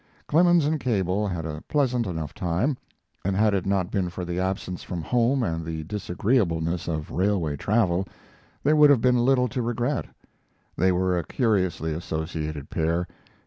Clemens and Cable had a pleasant enough time, and had it not been for the absence from home and the disagreeableness of railway travel, there would have been little to regret. They were a curiously associated pair.